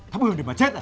tháp hương để mà chết à